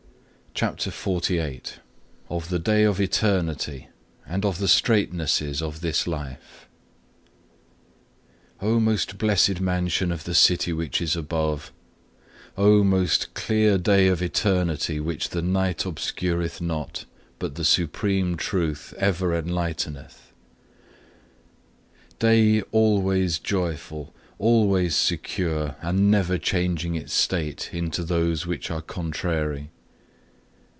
(1) Zechariah xiv. 7. (2) Romans vii. 24. (3) Psalm cxx. CHAPTER XLVIII Of the day of eternity and of the straitnesses of this life Oh most blessed mansion of the City which is above! Oh most clear day of eternity which the night obscureth not, but the Supreme Truth ever enlighteneth! Day always joyful, always secure and never changing its state into those which are contrary.